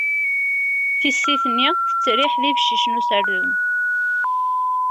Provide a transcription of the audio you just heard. Tissit-nni tettriḥ d ibeccicen userdun.